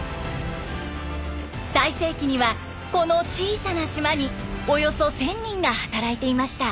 最盛期にはこの小さな島におよそ１，０００人が働いていました。